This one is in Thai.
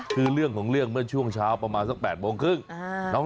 คือเรื่องของเรื่องเมื่อช่วงเช้าประมาณสัก๘โมงครึ่ง